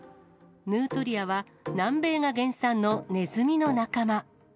ヌートリアは南米が原産のネズミの仲間。